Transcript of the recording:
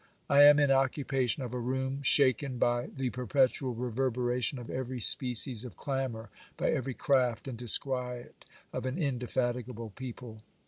I am in occupation of a room shaken by the perpetual reverberation of every species of clamour, by every craft and disquiet of an indefatigable people.